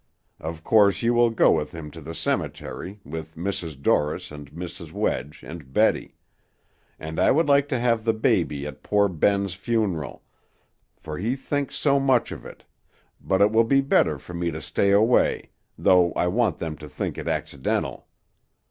Of course you will go with him to the cemetery, with Mrs. Dorris and Mrs. Wedge and Betty; and I would like to have the baby at poor Ben's funeral, for he thinks so much of it, but it will be better for me to stay away, though I want them to think it accidental.